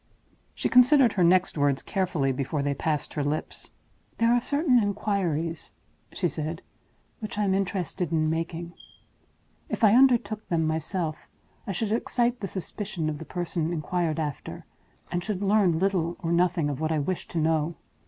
She considered her next words carefully before they passed her lips. "There are certain inquiries," she said, "which I am interested in making. If I undertook them myself, I should excite the suspicion of the person inquired after, and should learn little or nothing of what I wish to know.